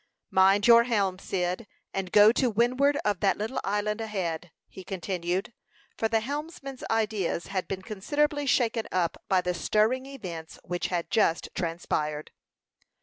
"Mind your helm, Cyd, and go to windward of that little island ahead," he continued; for the helmsman's ideas had been considerably shaken up by the stirring events which had just transpired.